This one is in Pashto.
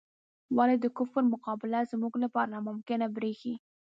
ولې د کفر مقابله زموږ لپاره ناممکنه بریښي؟